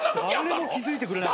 誰も気付いてくれない。